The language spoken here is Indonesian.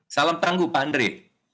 salam tangguh pak andre